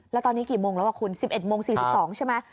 แล้วตอนนี้กี่โมงแล้วคุณ๑๑โมง๔๒ใช่ไหม